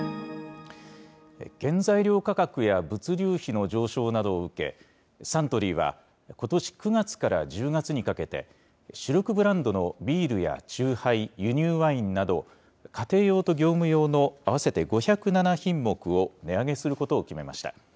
原材料価格や物流費の上昇などを受け、サントリーは、ことし９月から１０月にかけて、主力ブランドのビールやチューハイ、輸入ワインなど、家庭用と業務用の合わせて５０７品目を値上げすることを決めました。